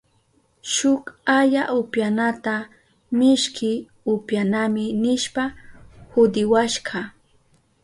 Shuk aya upyanata mishki upyanami nishpa hudiwashka.